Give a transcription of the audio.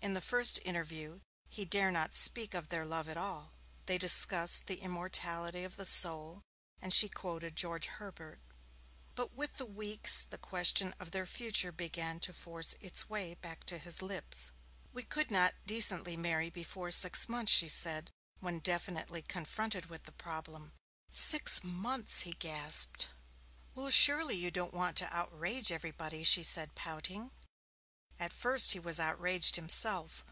In the first interview, he did not dare speak of their love at all. They discussed the immortality of the soul, and she quoted George Herbert. But with the weeks the question of their future began to force its way back to his lips. 'We could not decently marry before six months,' she said, when definitely confronted with the problem. 'Six months!' he gasped. 'Well, surely you don't want to outrage everybody,' she said, pouting. At first he was outraged himself.